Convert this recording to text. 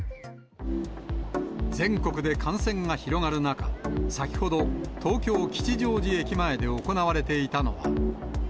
全国で感染が広がる中、先ほど、東京・吉祥寺駅前で行われていたのは。